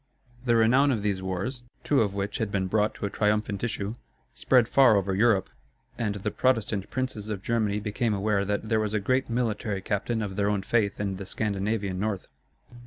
The renown of these wars, two of which had been brought to a triumphant issue, spread far over Europe; and the Protestant princes of Germany became aware that there was a great military captain of their own faith in the Scandinavian North.